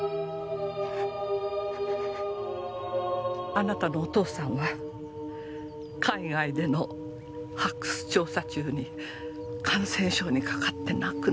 あなたのお父さんは海外での発掘調査中に感染症にかかって亡くなった。